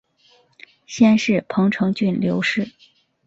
先世彭城郡刘氏。